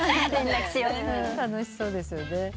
楽しそうですよね。